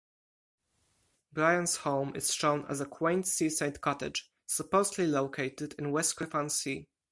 Brian's home is shown as a quaint seaside cottage, supposedly located in Westcliff-on-Sea.